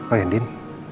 oh ya din